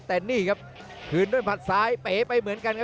กระโดยสิ้งเล็กนี่ออกกันขาสันเหมือนกันครับ